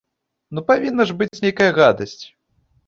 Ну, павінна ж быць нейкая гадасць!